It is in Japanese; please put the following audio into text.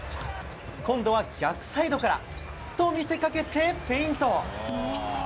今度は逆サイドからと見せかけてフェイント。